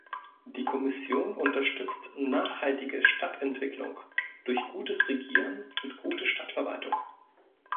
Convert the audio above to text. Die Kommission unterstützt nachhaltige Stadtentwicklung durch gutes Regieren und gute Stadtverwaltung.